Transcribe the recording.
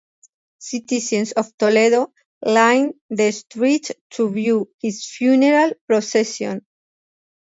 Citizens of Toledo lined the streets to view his funeral procession.